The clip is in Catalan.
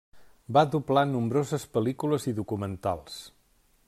Va doblar nombroses pel·lícules i documentals.